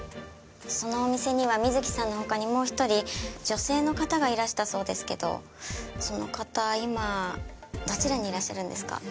そのお店には瑞希さんの他にもう一人女性の方がいらしたそうですけどその方今どちらにいらっしゃるんですか？